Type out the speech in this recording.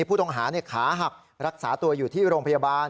ผู้ต้องหาขาหักรักษาตัวอยู่ที่โรงพยาบาล